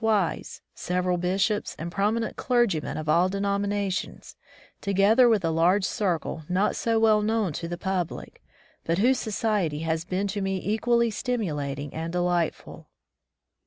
Wise, several bishops, and prominent clergymen of all denominations, together with a large circle not so well known to the public, but whose society has been to me equally stimulating and delight ful.